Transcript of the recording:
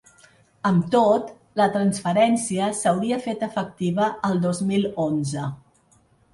Amb tot, la transferència s’hauria fet efectiva el dos mil onze.